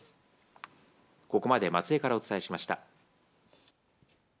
ここまで松江からお伝えしました。